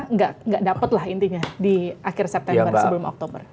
nggak dapat lah intinya di akhir september sebelum oktober